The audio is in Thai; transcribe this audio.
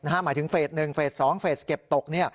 หมายถึงเฟส๑เฟส๒เฟสเก็บตก